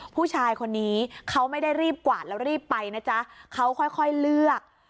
ผู้ชายคนนี้เขาไม่ได้รีบกวาดแล้วรีบไปนะจ๊ะเขาค่อยเลือก